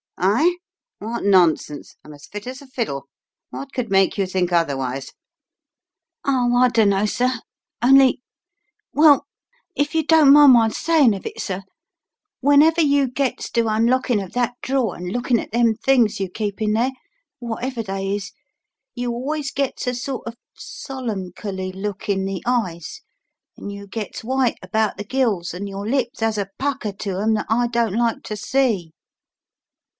"I? What nonsense! I'm as fit as a fiddle. What could make you think otherwise?" "Oh, I dunno, sir only Well, if you don't mind my sayin' of it, sir, whenever you gets to unlocking of that draw and lookin' at them things you keep in there wotever they is you always gets a sort of solemncholy look in the eyes; and you gets white about the gills, and your lips has a pucker to 'em that I don't like to see."